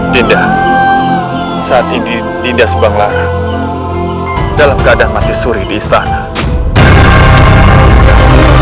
dinda saat ini dinda subanglarang dalam keadaan mati suri di istana